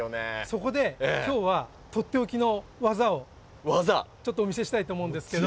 そこで今日はとっておきの技をお見せしたいと思うんですけど。